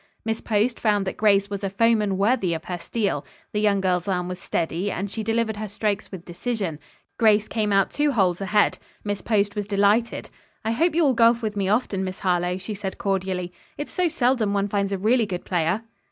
Miss Post found that Grace was a foeman worthy of her steel. The young girl's arm was steady, and she delivered her strokes with decision. Grace came out two holes ahead. Miss Post was delighted. "I hope you will golf with me often, Miss Harlowe," she said cordially. "It is so seldom one finds a really good player."